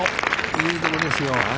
いいところですよ。